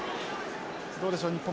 どうでしょう日本